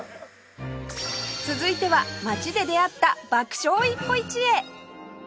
続いては街で出会った爆笑一歩一会